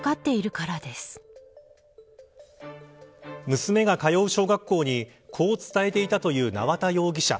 娘が通う小学校にこう伝えていたという縄田容疑者。